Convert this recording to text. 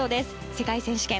世界選手権。